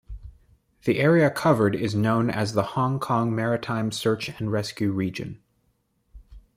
The area covered is known as the Hong Kong Maritime Search and Rescue Region.